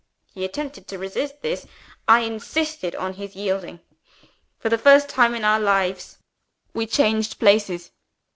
He attempted to resist this. I insisted on his yielding. For the first time in our lives, we changed places.